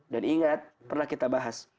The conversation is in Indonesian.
dan ingat pernah kita bahas